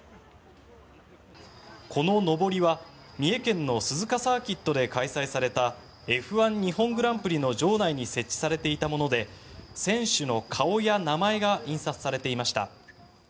こののぼりは、三重県の鈴鹿サーキットで開催されたＦ１日本グランプリの場内に設置されていたもので選手の顔や名前が印刷されていました。